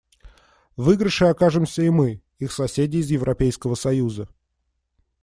В выигрыше окажемся и мы, их соседи из Европейского союза.